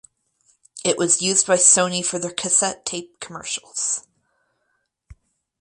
It was used by Sony for their cassette tape commercials.